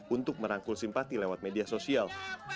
untuk merangkul simpati lewat media sosial